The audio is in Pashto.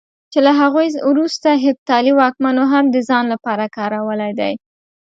چې له هغوی وروسته هېپتالي واکمنو هم د ځان لپاره کارولی دی.